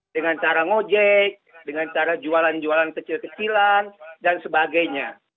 dengan cara ngojek dengan cara jualan jualan kecil kecilan dan sebagainya